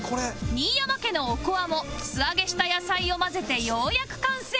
新山家のおこわも素揚げした野菜を混ぜてようやく完成